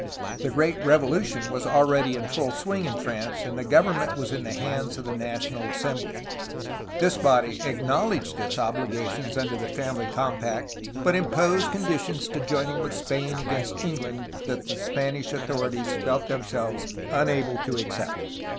The great Revolution was already in full swing in France, and the government was in the hands of the National Assembly. This body acknowledged its obligations under the Family Compact, but imposed condi tions to joining with Spain against England that the Span THE AFTERMATH 345 ish authorities felt themselves unable to accept.